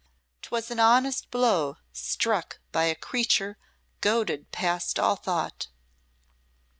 'Twas an honest blow struck by a creature goaded past all thought!